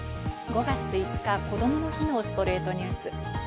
５月５日、こどもの日の『ストレイトニュース』。